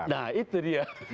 nah itu dia